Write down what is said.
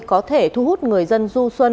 có thể thu hút người dân du xuân